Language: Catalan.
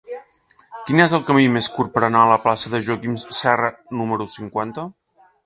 Quin és el camí més curt per anar a la plaça de Joaquim Serra número cinquanta?